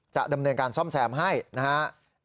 จะดำเนินการซ่อมแซมให้นะครับ